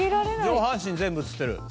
上半身全部映ってる。